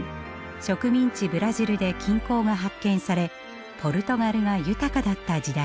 植民地ブラジルで金鉱が発見されポルトガルが豊かだった時代でした。